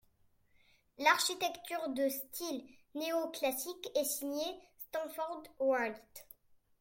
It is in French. L'architecture, de style néoclassique, est signée Stanford White.